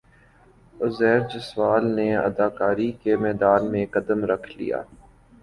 عزیر جسوال نے اداکاری کے میدان میں قدم رکھ لیا